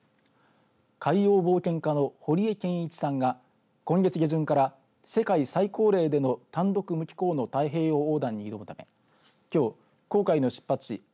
海洋冒険家の堀江謙一さんが今月下旬から世界最高齢での単独無寄港の太平洋横断に挑むためきょう、航海の出発地